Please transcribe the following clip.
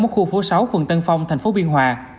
ở khu phố sáu phường tân phong thành phố biên hòa